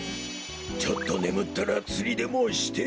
ちょっとねむったらつりでもして。